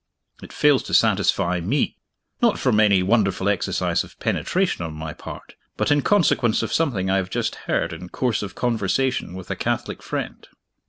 It fails to satisfy Me. Not from any wonderful exercise of penetration on my part, but in consequence of something I have just heard in course of conversation with a Catholic friend.